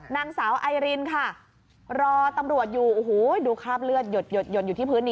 นางสาวไอรินค่ะรอตำรวจอยู่โอ้โหดูคราบเลือดหยดอยู่ที่พื้น